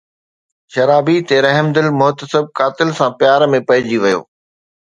شرابي تي رحمدل محتسب قاتل سان پيار ۾ پئجي ويو